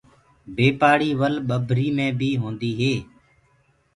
بي پآڙيِ ول ٻڀري مي بي هوندي هي۔